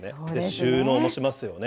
収納もしますよね。